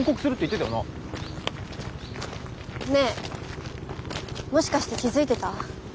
ねえもしかして気付いてた？